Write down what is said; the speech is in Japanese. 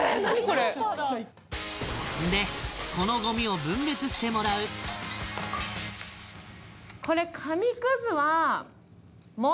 これでこのゴミを分別してもらうこれ